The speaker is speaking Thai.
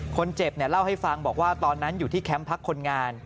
คนเจ็บเล่าให้ฟังบอกว่าตอนนั้นอยู่ที่แคมป์พักคนงาน